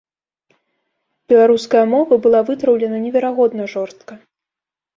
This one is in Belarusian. Беларуская мова была вытраўлена неверагодна жорстка.